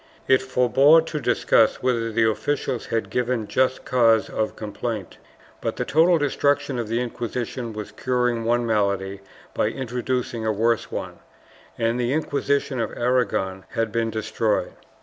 It forebore to discuss whether the officials had given just cause of complaint, but the total destruction of the Inquisition was curing one malady by introducing a worse one, and the Inquisition of Aragon had been destroyed.